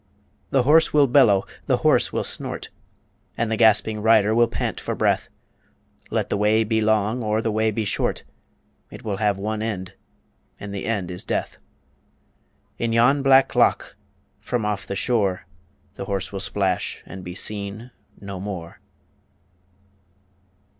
The horse will bellow, the horse will snort, And the gasping rider will pant for breath Let the way be long, or the way be short, It will have one end, and the end is death; In yon black loch, from off the shore, The horse will splash, and be seen no more.